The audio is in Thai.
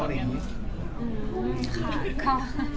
อืมค่ะ